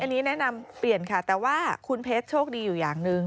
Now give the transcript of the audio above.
อันนี้แนะนำเปลี่ยนค่ะแต่ว่าคุณเพชรโชคดีอยู่อย่างหนึ่ง